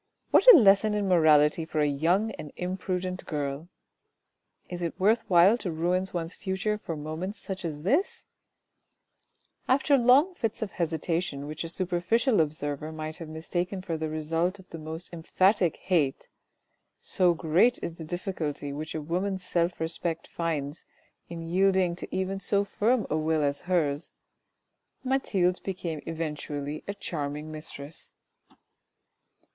What a lesson in morality for a young and imprudent girl ! Is it worth while to ruin one's future for moments such as this ? After long fits of hesitation which a superficial observer might have mistaken for the result of the most emphatic hate (so great is the difficulty which a woman's self respect finds in yielding even to so firm a will as hers) Mathilde became eventually a charming mistress.